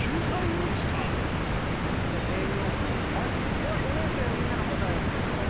では５年生みんなの答えを見せてもらいましょう。